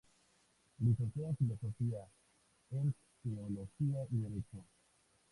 Licenciado en Filosofía, en Teología y Derecho.